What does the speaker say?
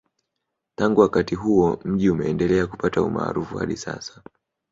Tangu wakati huo mji umendelea kupata umaarufu hadi sasa